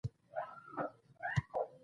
ټاکلی هدف یې پوره کړی و.